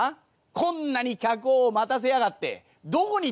こんなに客を待たせやがってどこに行ってやがったんだよ？」。